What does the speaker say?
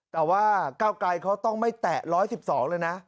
แต่ว่าก้าวไกรเขาต้องไม่แตะ๑๑๒เลยนะ